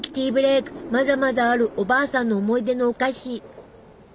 まだまだあるおばあさんの思い出のお菓子！